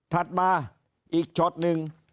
ถัดมาอีกช็อตหนึ่ง